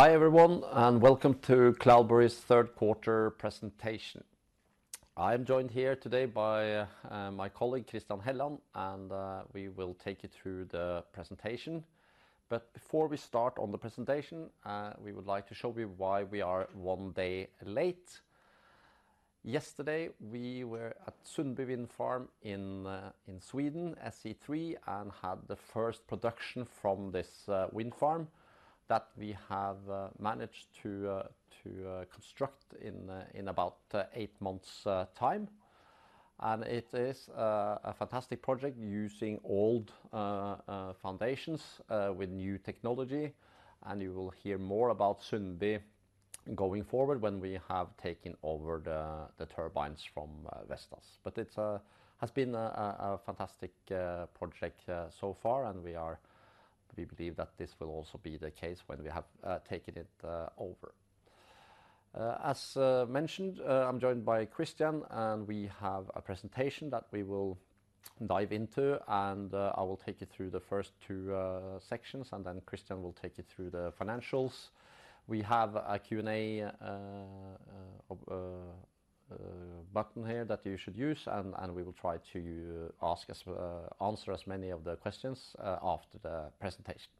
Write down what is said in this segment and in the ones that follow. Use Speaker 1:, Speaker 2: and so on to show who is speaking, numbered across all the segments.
Speaker 1: Hi, everyone, and welcome to Cloudberry's third quarter presentation. I'm joined here today by my colleague, Christian Helland, and we will take you through the presentation. But before we start on the presentation, we would like to show you why we are one day late. Yesterday, we were at Sundby Wind Farm in Sweden, SE3, and had the first production from this wind farm that we have managed to construct in about eight months' time. And it is a fantastic project using old foundations with new technology, and you will hear more about Sundby going forward when we have taken over the turbines from Vestas. But it has been a fantastic project so far, and we are—we believe that this will also be the case when we have taken it over. As mentioned, I'm joined by Christian, and we have a presentation that we will dive into, and I will take you through the first two sections, and then Christian will take you through the financials. We have a Q&A button here that you should use, and we will try to answer as many of the questions after the presentation.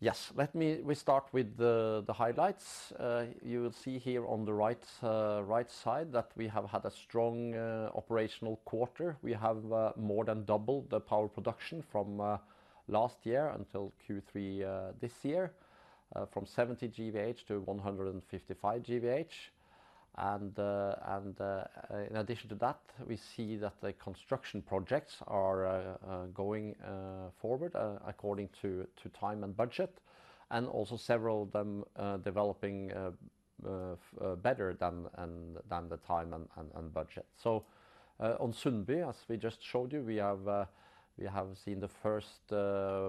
Speaker 1: Yes, let me. We start with the highlights. You will see here on the right side that we have had a strong operational quarter. We have more than doubled the power production from last year until Q3 this year from 70 GWh to 155 GWh. And in addition to that, we see that the construction projects are going forward according to time and budget, and also several of them developing better than the time and budget. So, on Sundby, as we just showed you, we have seen the first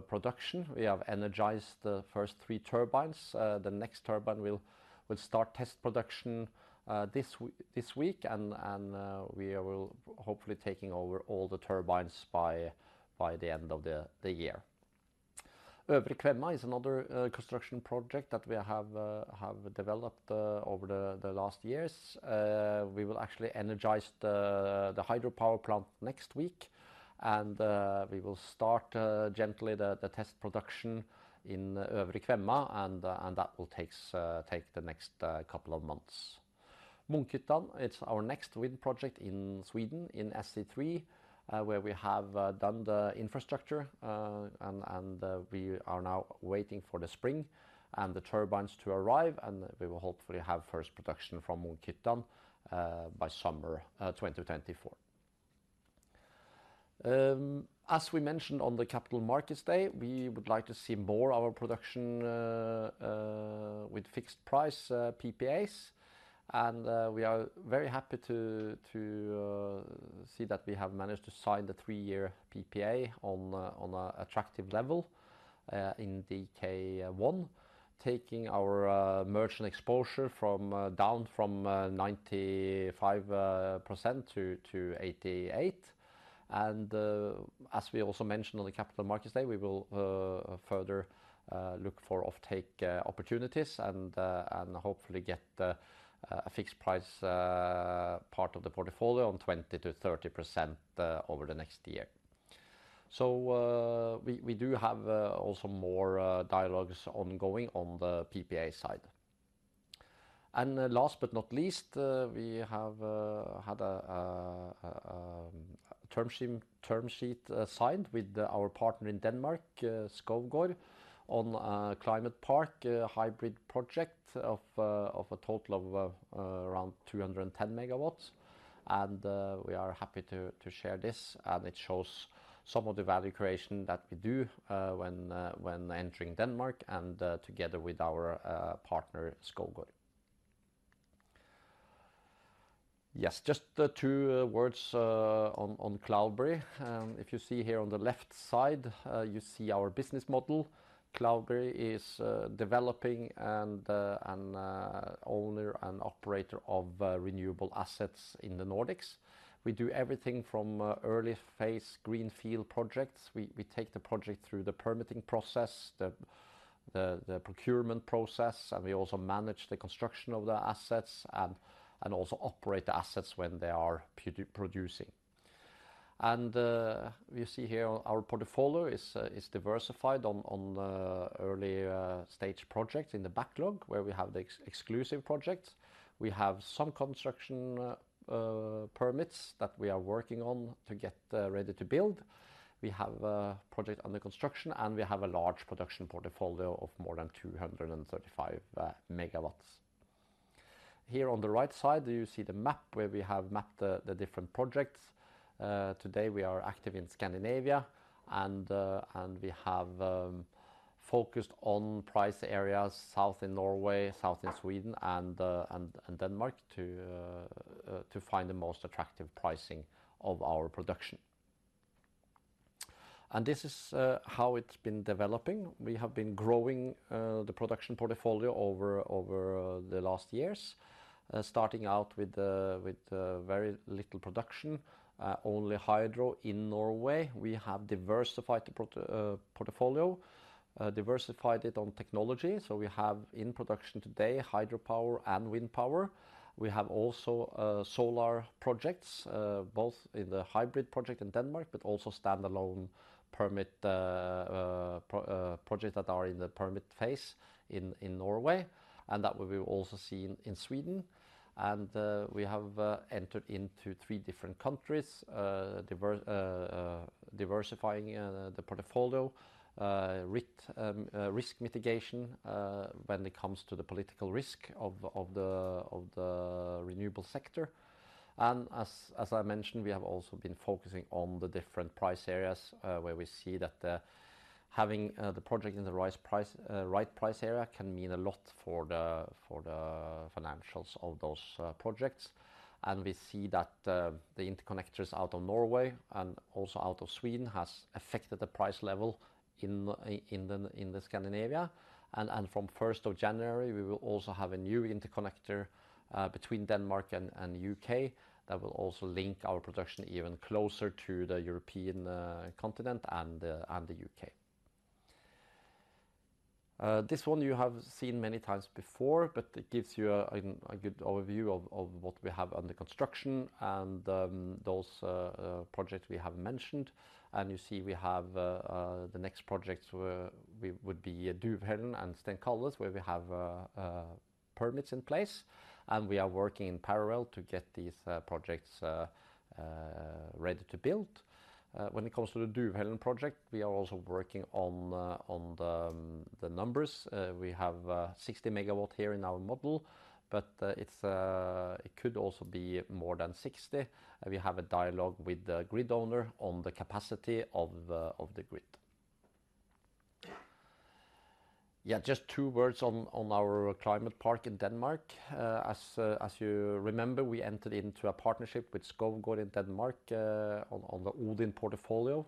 Speaker 1: production. We have energized the first three turbines. The next turbine will start test production this week, and we will hopefully taking over all the turbines by the end of the year. Øvre Kvemma is another construction project that we have developed over the last years. We will actually energize the hydropower plant next week, and we will start gently the test production in Øvre Kvemma, and that will take the next couple of months. Munkhyttan, it's our next wind project in Sweden, in SE3, where we have done the infrastructure, and we are now waiting for the spring and the turbines to arrive, and we will hopefully have first production from Munkhyttan by summer 2024. As we mentioned on the Capital Markets Day, we would like to see more of our production with fixed price PPAs, and we are very happy to see that we have managed to sign the three-year PPA on an attractive level in DK1, taking our merchant exposure down from 95%-88%. And as we also mentioned on the Capital Markets Day, we will further look for offtake opportunities and hopefully get a fixed price part of the portfolio on 20%-30% over the next year. We do have also more dialogues ongoing on the PPA side. And last but not least, we have had a term sheet signed with our partner in Denmark, Skovgaard, on a climate park, hybrid project of a total of around 210 MW. And we are happy to share this, and it shows some of the value creation that we do, when entering Denmark and together with our partner, Skovgaard. Yes, just two words on Cloudberry. If you see here on the left side, you see our business model. Cloudberry is developing and an owner and operator of renewable assets in the Nordics. We do everything from early-phase greenfield projects. We take the project through the permitting process, the procurement process, and we also manage the construction of the assets, and also operate the assets when they are producing. You see here our portfolio is diversified on early stage projects in the backlog, where we have the exclusive projects. We have some construction permits that we are working on to get ready to build. We have a project under construction, and we have a large production portfolio of more than 235 MW. Here on the right side, you see the map where we have mapped the different projects. Today, we are active in Scandinavia, and we have focused on price areas south in Norway, south in Sweden, and Denmark, to find the most attractive pricing of our production. And this is how it's been developing. We have been growing the production portfolio over the last years, starting out with very little production, only hydro in Norway. We have diversified the portfolio, diversified it on technology. So we have in production today, hydropower and wind power. We have also solar projects, both in the hybrid project in Denmark, but also standalone permit projects that are in the permit phase in Norway, and that we will also see in Sweden. We have entered into three different countries, diversifying the portfolio, risk mitigation when it comes to the political risk of the renewable sector. As I mentioned, we have also been focusing on the different price areas, where we see that having the project in the right price area can mean a lot for the financials of those projects. We see that the interconnectors out of Norway and also out of Sweden has affected the price level in Scandinavia. From first of January, we will also have a new interconnector between Denmark and UK that will also link our production even closer to the European continent and the U.K. This one you have seen many times before, but it gives you a good overview of what we have under construction and those projects we have mentioned. You see, we have the next projects we would be Duvhällen and Stenkalles, where we have permits in place, and we are working in parallel to get these projects ready to build. When it comes to the Duvhällen project, we are also working on the numbers. We have 60 MW here in our model, but it's it could also be more than 60. We have a dialogue with the grid owner on the capacity of the grid. Yeah, just two words on our climate park in Denmark. As you remember, we entered into a partnership with Skovgaard in Denmark on the Odin portfolio,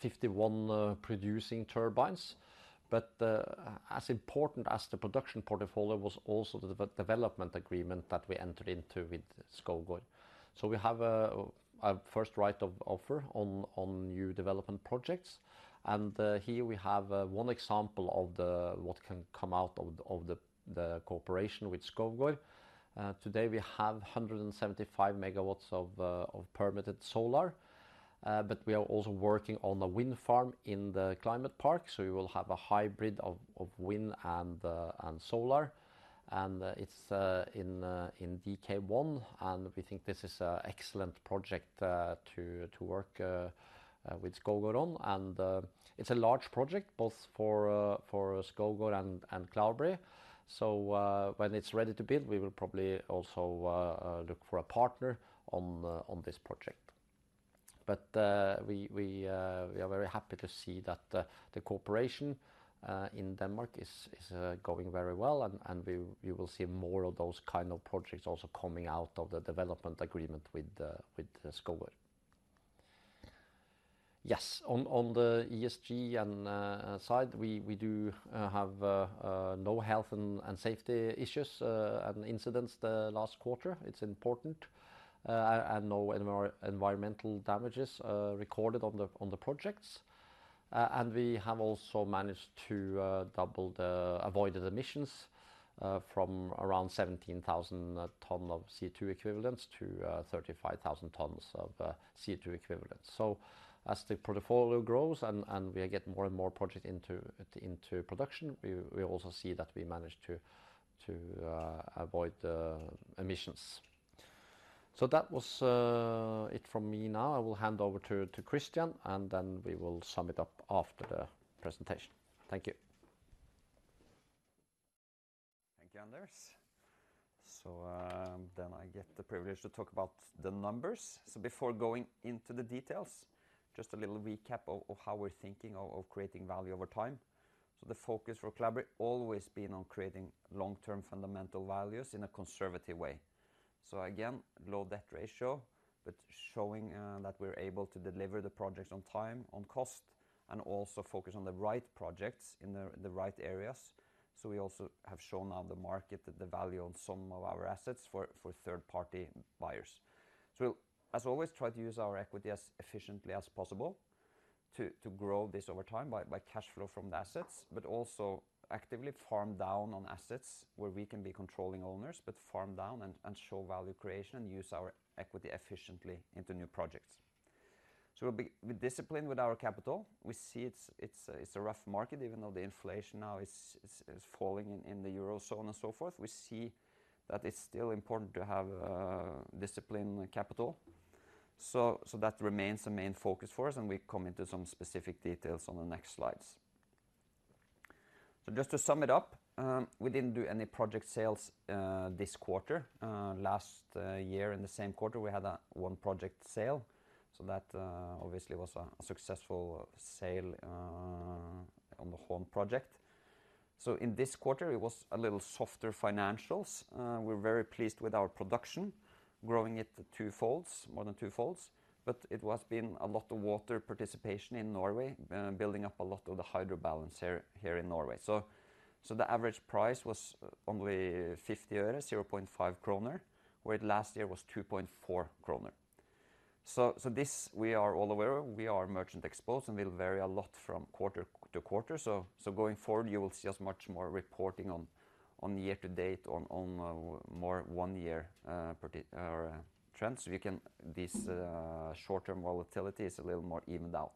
Speaker 1: 51 producing turbines. But as important as the production portfolio was also the development agreement that we entered into with Skovgaard. So we have a first right of offer on new development projects, and here we have one example of what can come out of the cooperation with Skovgaard. Today we have 175 MW of permitted solar, but we are also working on a wind farm in the climate park, so we will have a hybrid of wind and solar. And it's in DK1, and we think this is an excellent project to work with Skovgaard on. It's a large project both for Skovgaard and Cloudberry. So, when it's ready to build, we will probably also look for a partner on this project. But, we are very happy to see that the cooperation in Denmark is going very well, and you will see more of those kind of projects also coming out of the development agreement with Skovgaard. Yes, on the ESG and H&S side, we do have no health and safety issues and incidents the last quarter. It's important, and no environmental damages recorded on the projects. And we have also managed to double the avoided emissions from around 17,000 ton of CO2 equivalents to 35,000 tons of CO2 equivalents. So as the portfolio grows and we are getting more and more project into production, we also see that we managed to avoid emissions. So that was it from me now. I will hand over to Christian, and then we will sum it up after the presentation. Thank you.
Speaker 2: Thank you, Anders. So, then I get the privilege to talk about the numbers. So before going into the details, just a little recap of how we're thinking of creating value over time. So the focus for Cloudberry always been on creating long-term fundamental values in a conservative way. So again, low debt ratio, but showing that we're able to deliver the projects on time, on cost, and also focus on the right projects in the right areas. So we also have shown now the market that the value of some of our assets for third-party buyers. So as always, try to use our equity as efficiently as possible to grow this over time by cash flow from the assets, but also actively farm down on assets where we can be controlling owners, but farm down and show value creation and use our equity efficiently into new projects. So we'll be disciplined with our capital. We see it's a rough market, even though the inflation now is falling in the Eurozone and so forth. We see that it's still important to have disciplined capital. So that remains the main focus for us, and we come into some specific details on the next slides. So just to sum it up, we didn't do any project sales this quarter. Last year, in the same quarter, we had one project sale, so that obviously was a successful sale on the Hån project. So in this quarter, it was a little softer financials. We're very pleased with our production, growing it twofolds, more than twofolds. But it has been a lot of water participation in Norway, and building up a lot of the hydro balance here in Norway. So the average price was only 50 øre, 0.5 kroner, where last year was 2.4 kroner. So this, we are all aware of. We are merchant exposed, and we'll vary a lot from quarter to quarter. So going forward, you will see us much more reporting on year to date, on more one-year or trends. This short-term volatility is a little more evened out.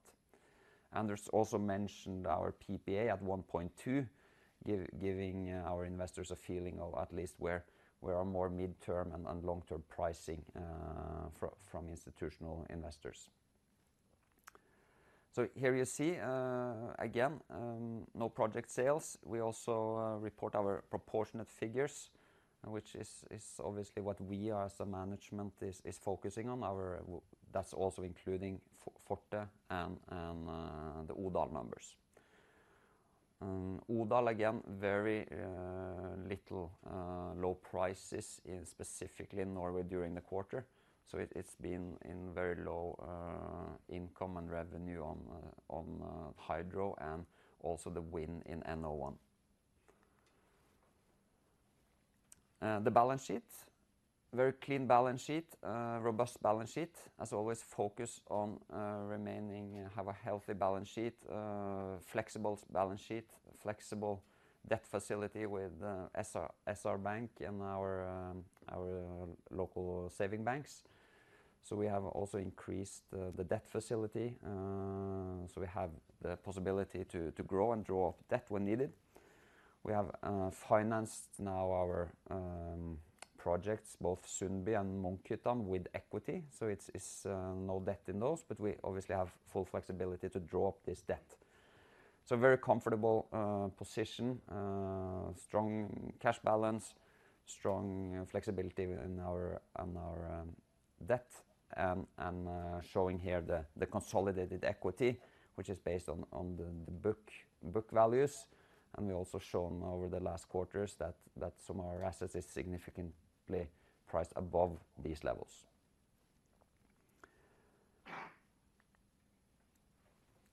Speaker 2: Anders also mentioned our PPA at 1.2 NOK, giving our investors a feeling of at least where we are more midterm and long-term pricing from institutional investors. So here you see, again, no project sales. We also report our proportionate figures, which is obviously what we as a management is focusing on. That's also including Forte and the Odal numbers. Odal, again, very low prices in specifically Norway during the quarter, so it's been very low income and revenue on hydro and also the wind in NO1. The balance sheet. Very clean balance sheet, robust balance sheet. As always, focused on remaining and have a healthy balance sheet, flexible balance sheet, flexible debt facility with SR Bank and our local savings banks. So we have also increased the debt facility, so we have the possibility to grow and draw up debt when needed. We have financed now our projects, both Sundby and Munkhyttan, with equity, so it's no debt in those, but we obviously have full flexibility to draw up this debt. So very comfortable position, strong cash balance, strong flexibility in our on our debt. And showing here the consolidated equity, which is based on the book values. And we've also shown over the last quarters that some of our assets is significantly priced above these levels.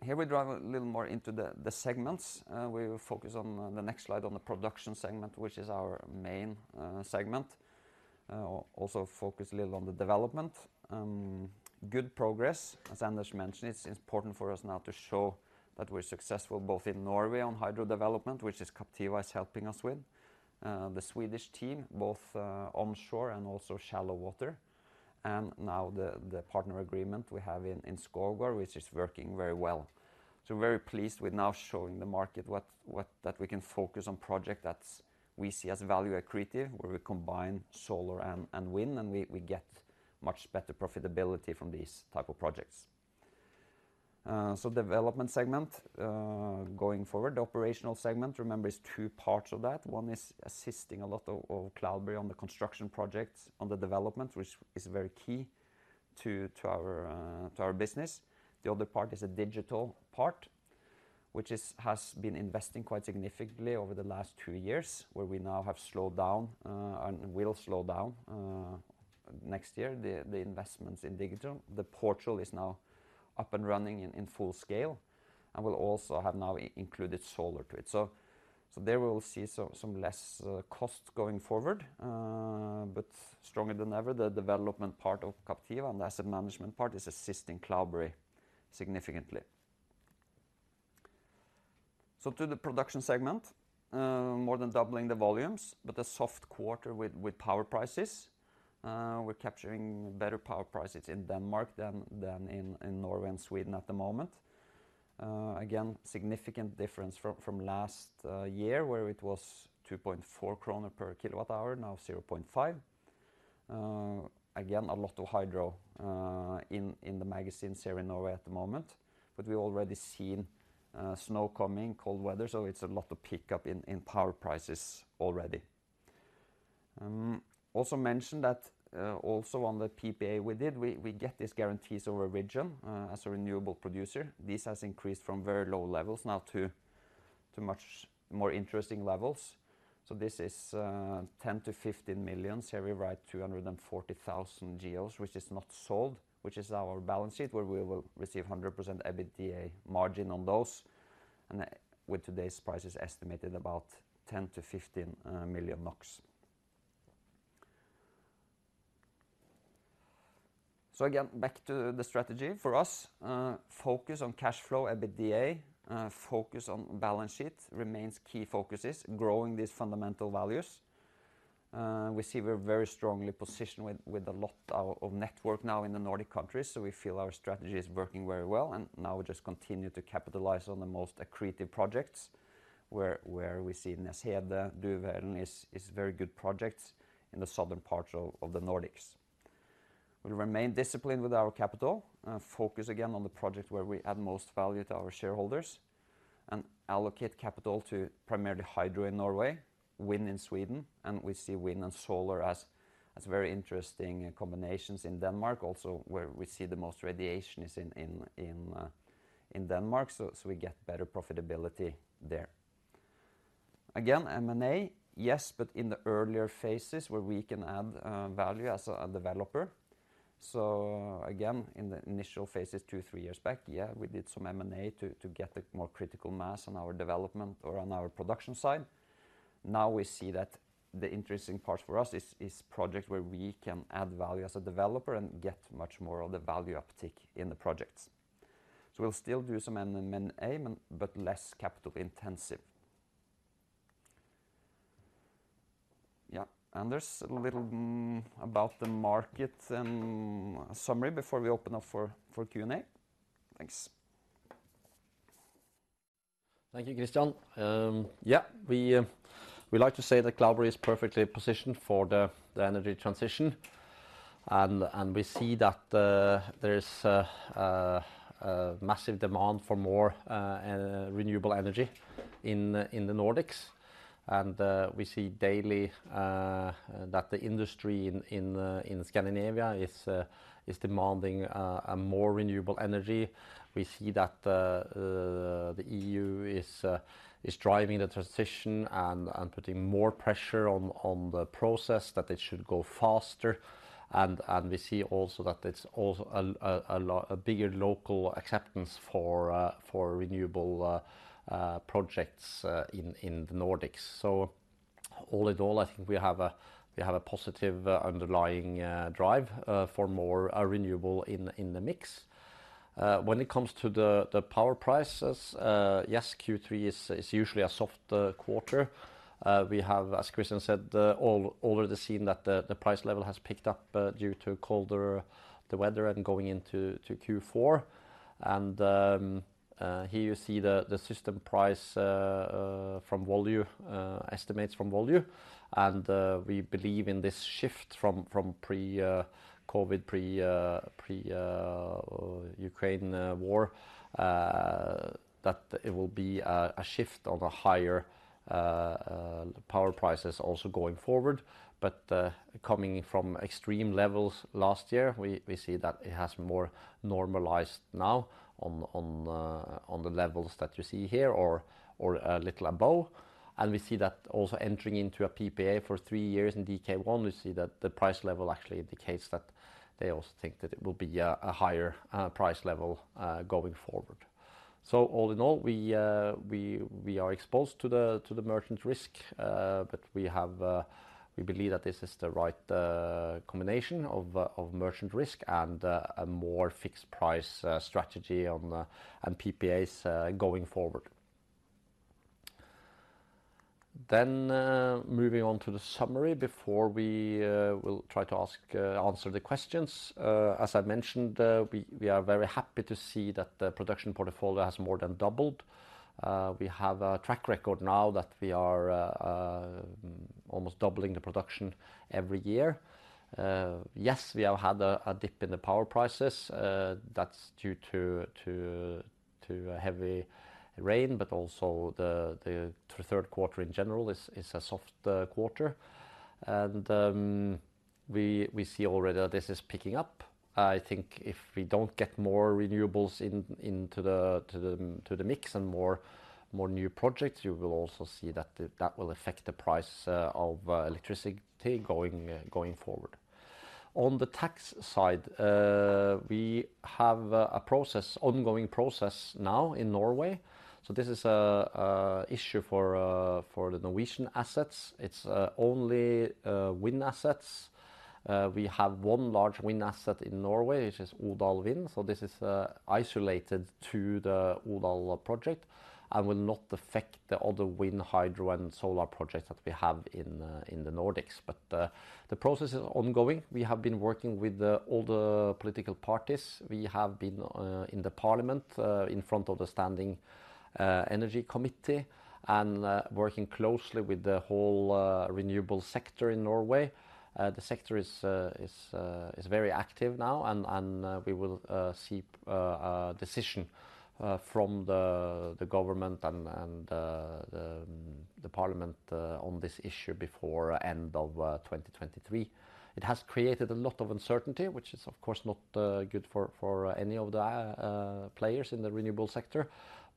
Speaker 2: Here we dive a little more into the segments. We will focus on the next slide on the production segment, which is our main segment. Also focus a little on the development. Good progress. As Anders mentioned, it's important for us now to show that we're successful both in Norway on hydro development, which Captiva is helping us with, the Swedish team, both onshore and also shallow water, and now the partner agreement we have in Skovgaard, which is working very well. So we're very pleased with now showing the market what... that we can focus on project that's we see as value accretive, where we combine solar and wind, and we get much better profitability from these type of projects. So development segment, going forward. The operational segment, remember, is two parts of that. One is assisting a lot of Cloudberry on the construction projects, on the development, which is very key to our business. The other part is a digital part, which has been investing quite significantly over the last two years, where we now have slowed down and will slow down next year, the investments in digital. The portal is now up and running in full scale, and we'll also have now included solar to it. So there we will see some less cost going forward, but stronger than ever, the development part of Captiva and the asset management part is assisting Cloudberry significantly. So to the production segment, more than doubling the volumes, but a soft quarter with power prices. We're capturing better power prices in Denmark than in Norway and Sweden at the moment. Again, significant difference from last year, where it was 2.4 krone per kWh, now 0.5 NOK per kWh. Again, a lot of hydro in the magazines here in Norway at the moment, but we've already seen snow coming, cold weather, so it's a lot of pickup in power prices already. Also mention that also on the PPA we did, we get these Guarantees of Origin as a renewable producer. This has increased from very low levels now to much more interesting levels. So this is 10-15 million NOK. We write 240,000 GOs, which is not sold, which is our balance sheet, where we will receive 100% EBITDA margin on those, and with today's prices estimated about 10-15 million NOK. Again, back to the strategy. For us, focus on cash flow, EBITDA, focus on balance sheet remains key focuses, growing these fundamental values. We see we're very strongly positioned with a lot of network now in the Nordic countries, so we feel our strategy is working very well, and now we just continue to capitalize on the most accretive projects, where we see Nees Hede, Duvhällen is very good projects in the southern part of the Nordics. We'll remain disciplined with our capital, focus again on the project where we add most value to our shareholders and allocate capital to primarily hydro in Norway, wind in Sweden, and we see wind and solar as very interesting combinations in Denmark. Also, where we see the most radiation is in Denmark, so we get better profitability there. Again, M&A, yes, but in the earlier phases where we can add value as a developer. So again, in the initial phases, 2, 3 years back, yeah, we did some M&A to get the more critical mass on our development or on our production side. Now we see that the interesting part for us is projects where we can add value as a developer and get much more of the value uptick in the projects. So we'll still do some M&A, but less capital intensive. Yeah, and there's a little about the market and summary before we open up for Q&A. Thanks.
Speaker 1: Thank you, Christian. Yeah, we like to say that Cloudberry is perfectly positioned for the energy transition. We see that there is a massive demand for more renewable energy in the Nordics. We see daily that the industry in Scandinavia is demanding a more renewable energy. We see that the EU is driving the transition and putting more pressure on the process, that it should go faster. We see also that it's a bigger local acceptance for renewable projects in the Nordics. So all in all, I think we have a positive underlying drive for more renewable in the mix. When it comes to the power prices, yes, Q3 is usually a soft quarter. We have, as Christian said, already seen that the price level has picked up due to colder weather and going into Q4. And here you see the system price from Volue estimates from Volue. And we believe in this shift from pre-COVID, pre-Ukraine war that it will be a shift on higher power prices also going forward. But coming from extreme levels last year, we see that it has more normalized now on the levels that you see here or a little above. And we see that also entering into a PPA for three years in DK1, we see that the price level actually indicates that they also think that it will be a higher price level going forward. All in all, we are exposed to the merchant risk, but we have... We believe that this is the right combination of merchant risk and a more fixed price strategy on and PPAs going forward. Moving on to the summary before we will try to answer the questions. As I mentioned, we are very happy to see that the production portfolio has more than doubled. We have a track record now that we are almost doubling the production every year. Yes, we have had a dip in the power prices. That's due to heavy rain, but also the third quarter in general is a soft quarter. We see already that this is picking up. I think if we don't get more renewables into the mix and more new projects, you will also see that that will affect the price of electricity going forward. On the tax side, we have an ongoing process now in Norway. So this is an issue for the Norwegian assets. It's only wind assets. We have one large wind asset in Norway, which is Odal Wind, so this is isolated to the Odal project and will not affect the other wind, hydro, and solar projects that we have in the Nordics. But the process is ongoing. We have been working with all the political parties. We have been in the parliament in front of the standing energy committee and working closely with the whole renewable sector in Norway. The sector is very active now, and we will see a decision from the government and the parliament on this issue before end of 2023. It has created a lot of uncertainty, which is, of course, not good for any of the players in the renewable sector.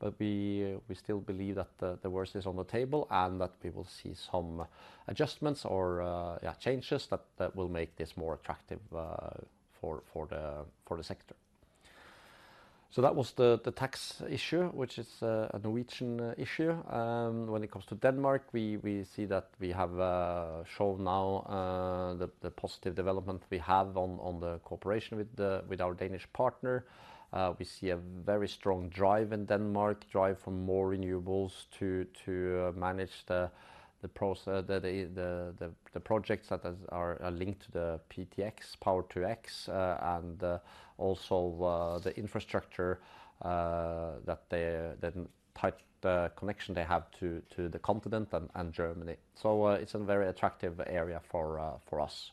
Speaker 1: But we still believe that the worst is on the table, and that we will see some adjustments or changes that will make this more attractive for the sector. So that was the tax issue, which is a Norwegian issue. When it comes to Denmark, we see that we have shown now the positive development we have on the cooperation with our Danish partner. We see a very strong drive in Denmark for more renewables to manage the projects that are linked to the PTX, Power-to-X, and also the infrastructure that the tight connection they have to the continent and Germany. So, it's a very attractive area for us.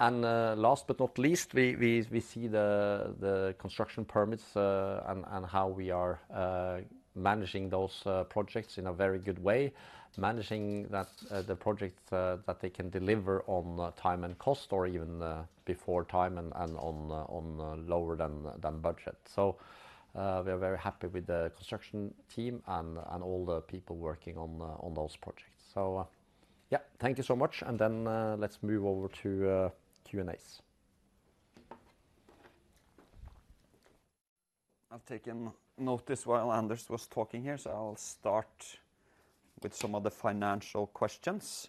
Speaker 1: And last but not least, we see the construction permits and how we are managing those projects in a very good way. Managing those projects that they can deliver on time and cost, or even before time and on lower than budget. So, we are very happy with the construction team and all the people working on those projects. So,... Yeah, thank you so much, and then, let's move over to Q&As.
Speaker 2: I've taken notice while Anders was talking here, so I'll start with some of the financial questions.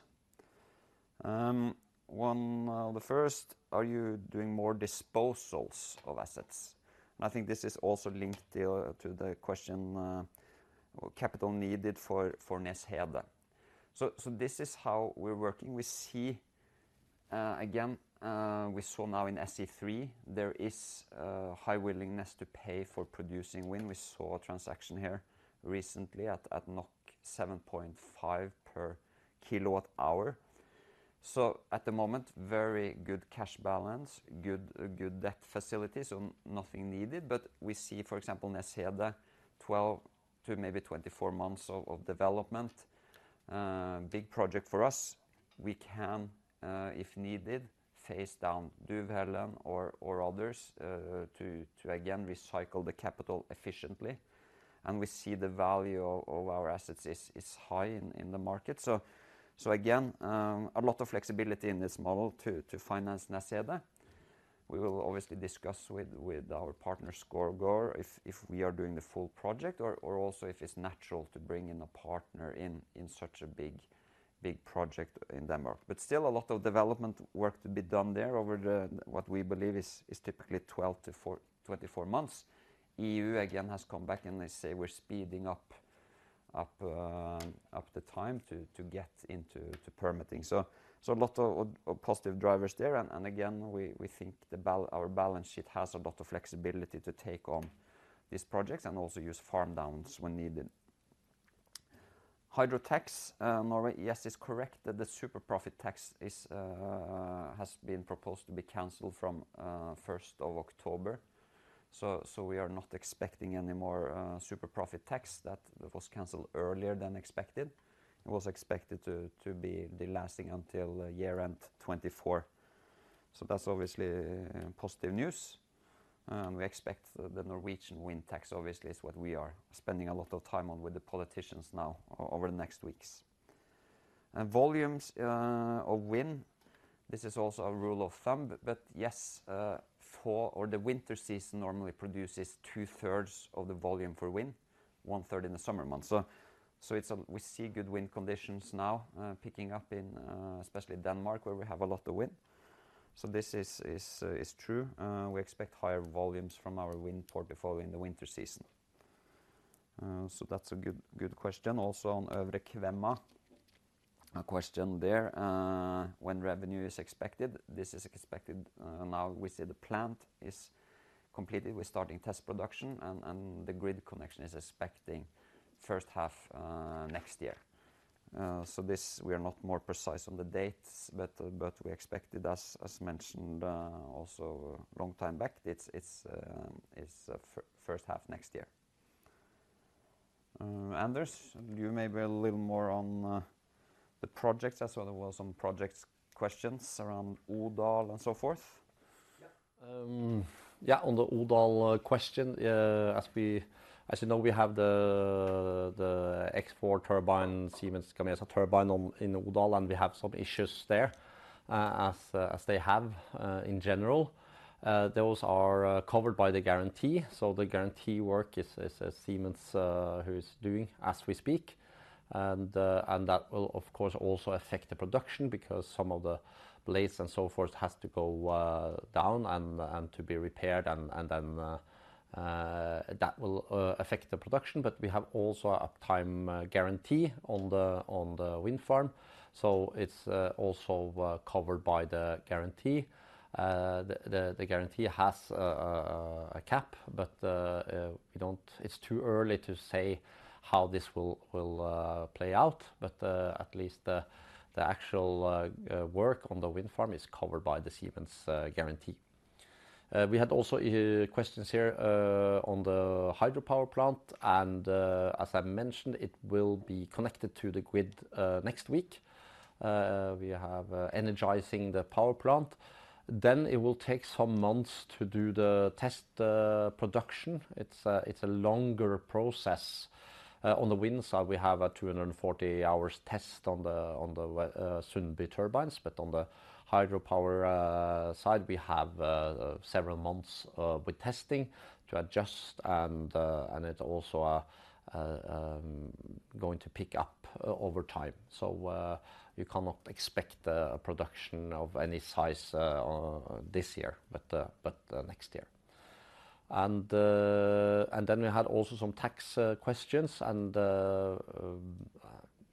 Speaker 2: The first, are you doing more disposals of assets? And I think this is also linked to the question, or capital needed for Nees Hede. So this is how we're working. We see, again, we saw now in SE3, there is high willingness to pay for producing wind. We saw a transaction here recently at 7.5 per kWh. So at the moment, very good cash balance, good debt facility, so nothing needed. But we see, for example, Nees Hede, 12 to maybe 24 months of development. Big project for us. We can, if needed, farm down Duvhällen or others to again recycle the capital efficiently, and we see the value of our assets is high in the market. So again, a lot of flexibility in this model to finance Nees Hede. We will obviously discuss with our partner, Skovgaard, if we are doing the full project or also if it's natural to bring in a partner in such a big project in Denmark. But still a lot of development work to be done there over what we believe is typically 24 months. EU again has come back and they say we're speeding up the time to get into permitting. So a lot of positive drivers there. Again, we think our balance sheet has a lot of flexibility to take on these projects and also use farm downs when needed. Hydro tax, Norway. Yes, it's correct that the super profit tax has been proposed to be canceled from first of October. So we are not expecting any more super profit tax. That was canceled earlier than expected. It was expected to be lasting until year end 2024. So that's obviously positive news. We expect the Norwegian wind tax obviously is what we are spending a lot of time on with the politicians now over the next weeks. And volumes of wind, this is also a rule of thumb, but, yes, fall or the winter season normally produces two-thirds of the volume for wind, one-third in the summer months. So it's. We see good wind conditions now, picking up, especially in Denmark, where we have a lot of wind. So this is true. We expect higher volumes from our wind portfolio in the winter season. So that's a good question. Also on Øvre Kvemma, a question there, when revenue is expected? This is expected, now we see the plant is completed. We're starting test production, and the grid connection is expecting first half next year. So this, we are not more precise on the dates, but we expected, as mentioned, also long time back, it's first half next year. Anders, you may be a little more on the projects as well. There was some projects questions around Odal and so forth.
Speaker 1: Yeah. Yeah, on the Odal question, as we... As you know, we have the SG 4.X turbine, Siemens Gamesa turbine on, in Odal, and we have some issues there, as they have in general. Those are covered by the guarantee. So the guarantee work is Siemens who is doing as we speak. And that will, of course, also affect the production because some of the blades and so forth has to go down and to be repaired, and then that will affect the production. But we have also a uptime guarantee on the wind farm, so it's also covered by the guarantee. The guarantee has a cap, but we don't— It's too early to say how this will play out, but at least the actual work on the wind farm is covered by the Siemens guarantee. We had also questions here on the hydropower plant, and as I mentioned, it will be connected to the grid next week. We have energizing the power plant. Then it will take some months to do the test production. It's a longer process. On the wind side, we have a 240-hour test on the Sundby turbines, but on the hydropower side, we have several months with testing to adjust, and it also going to pick up over time. So, you cannot expect a production of any size this year, but next year. Then we had also some tax questions, and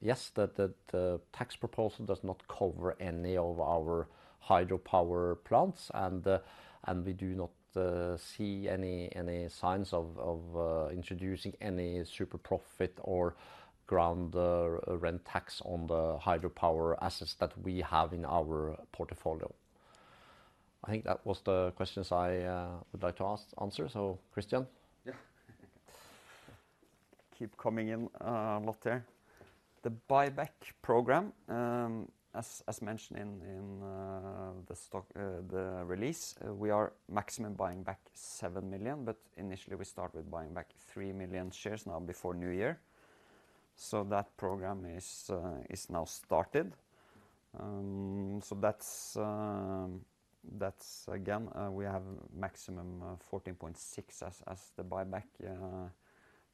Speaker 1: yes, the tax proposal does not cover any of our hydropower plants, and we do not see any signs of introducing any super profit or ground rent tax on the hydropower assets that we have in our portfolio. I think that was the questions I would like to ask-answer. So Christian?
Speaker 2: Yeah. Keep coming in, a lot there. The buyback program, as mentioned in the stock release, we are maximum buying back 7 million, but initially we start with buying back 3 million shares now before New Year. So that program is now started. So that's again, we have maximum 14.6 as the buyback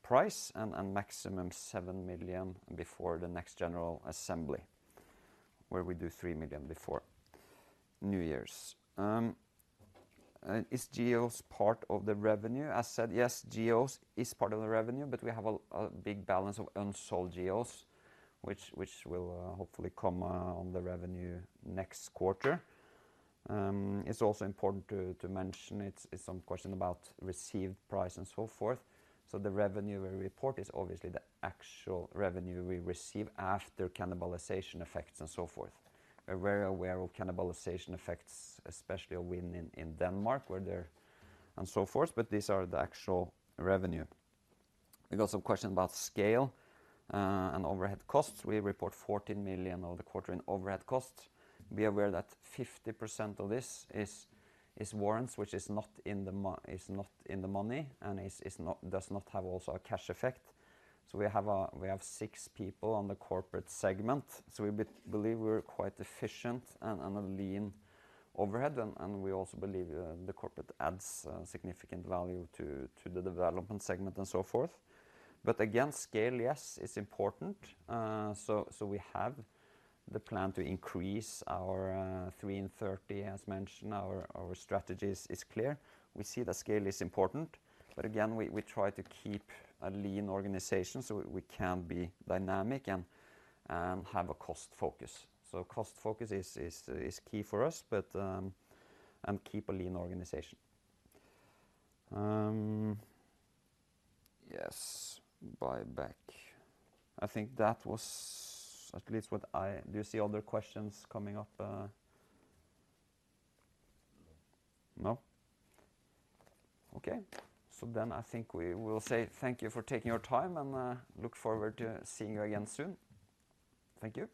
Speaker 2: price, and maximum 7 million before the next general assembly, where we do 3 million before New Year's. And is GOs part of the revenue? As said, yes, GOs is part of the revenue, but we have a big balance of unsold GOs, which will hopefully come on the revenue next quarter. It's also important to mention it's some question about received price and so forth. So the revenue we report is obviously the actual revenue we receive after cannibalization effects and so forth. We're very aware of cannibalization effects, especially of wind in Denmark, where and so forth, but these are the actual revenue. We got some question about scale and overhead costs. We report 14 million of the quarter in overhead costs. Be aware that 50% of this is warrants, which is not in the money, and does not have also a cash effect. So we have 6 people on the corporate segment, so we believe we're quite efficient and a lean overhead, and we also believe the corporate adds significant value to the development segment and so forth. But again, scale, yes, it's important. So, we have the plan to increase our 3 and 30. As mentioned, our strategy is clear. We see that scale is important, but again, we try to keep a lean organization so we can be dynamic and have a cost focus. So cost focus is key for us, but and keep a lean organization. Yes, buyback. I think that was at least what I... Do you see other questions coming up?
Speaker 1: No.
Speaker 2: No? Okay. So then I think we will say thank you for taking your time, and look forward to seeing you again soon. Thank you.